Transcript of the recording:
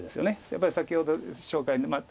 やっぱり先ほど紹介。